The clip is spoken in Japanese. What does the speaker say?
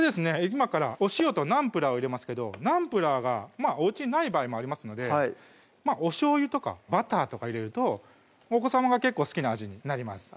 今からお塩とナンプラーを入れますけどナンプラーがおうちにない場合もありますのでおしょうゆとかバターとか入れるとお子さまが結構好きな味になります